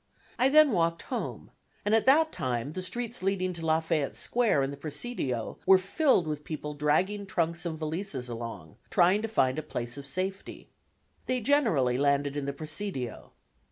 I then walked home, and at that time the streets leading to Lafayette Square and the Presidio were filled with people dragging trunks and valises along, trying to find a place of safety. They generally landed in the Presidio.